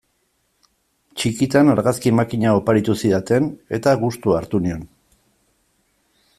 Txikitan argazki makina oparitu zidaten eta gustua hartu nion.